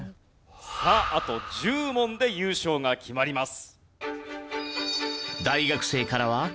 さああと１０問で優勝が決まります。